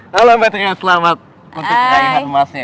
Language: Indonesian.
halo mbak triya selamat untuk karyahan emasnya